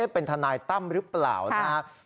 เป็นทนายตั้มหรือเปล่านะครับ